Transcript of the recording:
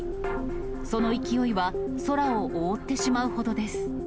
その勢いは、空を覆ってしまうほどです。